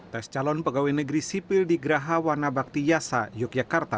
tes calon pegawai negeri sipil di graha wana bakti yasa yogyakarta